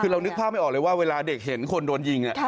คือเรานึกภาพไม่ออกเลยว่าเวลาเด็กเห็นคนโดนยิง